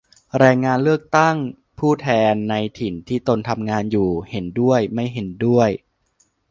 แรงงานเลือกตั้งผู้แทนในถิ่นที่ตนทำงานอยู่ ? เห็นด้วย ไม่เห็นด้วย